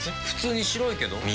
普通に白いけど。